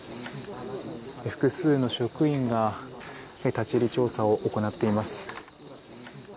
複数の職員が立ち入り調査を行っています。